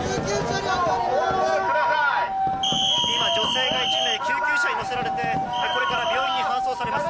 今、女性が１名救急車に乗せられてこれから病院に搬送されます。